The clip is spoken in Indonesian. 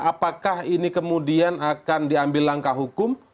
apakah ini kemudian akan diambil langkah hukum